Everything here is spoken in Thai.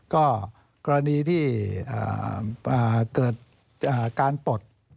ก็กรณีที่เกิดการปลด